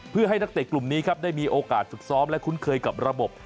เพื่อให้นักเตะกลุ่มนี้ครับได้มีโอกาสฝึกซ้อมและคุ้นเคยกับระบบ